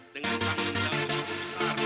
dengan tanggung jawab besar